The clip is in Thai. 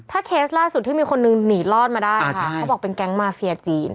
ถ้าเคสล่าสุดที่มีคนนึงหนีรอดมาได้ค่ะเขาบอกเป็นแก๊งมาเฟียจีน